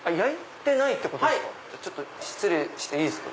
ちょっと失礼していいですか？